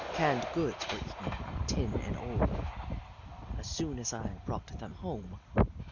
Canned goods were eaten, tin and all, as soon as I brought them home.